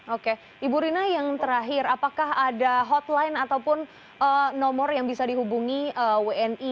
oke ibu rina yang terakhir apakah ada hotline ataupun nomor yang bisa dihubungi wni